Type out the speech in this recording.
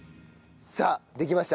さあできました。